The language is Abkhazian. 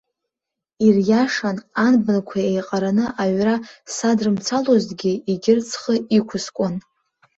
Ириашан, анбанқәа еиҟараны аҩра садрымцалозҭгьы, егьырҭ схы иқәыскуан.